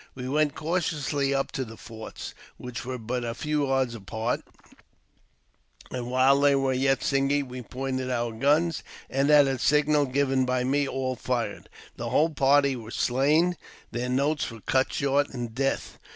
We went cautiously up to the forts, which were but a few yards apart ; and while they were yet smging we pointed our guns, and, at a signal given by me, all fired. The whole party were slain ; their notes were cut short in death.